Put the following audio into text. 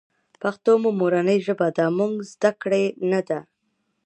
پښتو مو مورنۍ ژبه ده مونږ ذده کــــــــړې نۀ ده